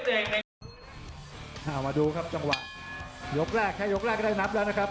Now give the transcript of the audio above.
เอามาดูครับจังหวะยกแรกแค่ยกแรกก็ได้นับแล้วนะครับ